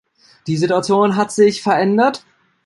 Die Situation hat sich verändert.